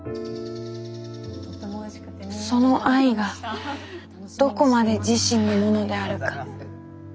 その愛がどこまで自身のものであるか